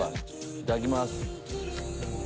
いただきます。